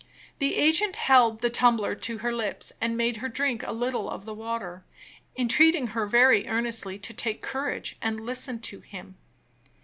The agent held the tumbler to her lips, and made her drink a little of the water, entreating her very earnestly to take courage and listen to him.